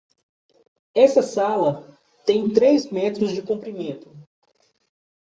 Essa sala tem três metros de comprimento.